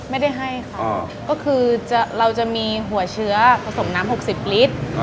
ไม่ได้ให้ค่ะก็คือเราจะมีหัวเชื้อผสมน้ำ๖๐ลิตร